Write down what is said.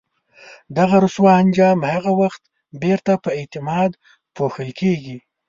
دغه رسوا انجام هغه وخت بیرته په اعتماد پوښل کېږي.